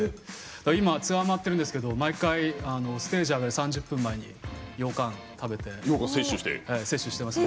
今、ツアー回ってるんですけど毎回ステージ上がる３０分前に羊羹を食べて摂取してます。